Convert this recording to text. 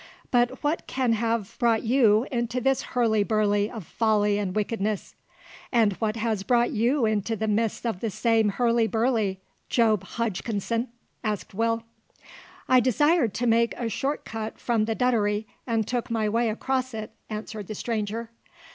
"But what can have brought you into this hurly burly of folly and wickedness?" "And what has brought you into the midst of the same hurly burly, Job Hodgkinson?" asked Will. "I desired to make a short cut from the Duddery, and took my way across it," answered the stranger.